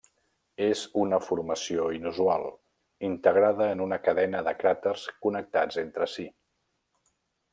És una formació inusual, integrada en una cadena de cràters connectats entre si.